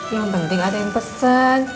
yang penting ada yang pesan